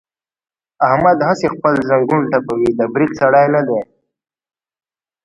احمد هسې خپل زنګون ټپوي، د برید سړی نه دی.